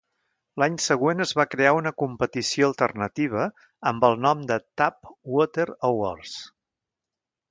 L'any següent es va crear una competició alternativa, amb el nom de Tap Water Awards.